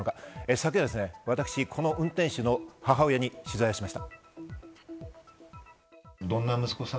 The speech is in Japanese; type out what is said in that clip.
昨夜私この運転手の母親に取材しました。